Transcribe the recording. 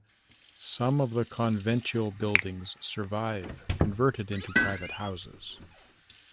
Some of the conventual buildings survive converted into private houses.